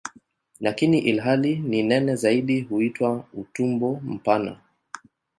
Lakini ilhali ni nene zaidi huitwa "utumbo mpana".